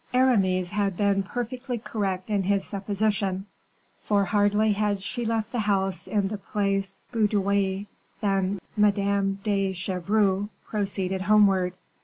Aramis had been perfectly correct in his supposition; for hardly had she left the house in the Place Baudoyer than Madame de Chevreuse proceeded homeward.